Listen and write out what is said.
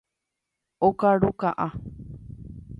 Okaru ka'a.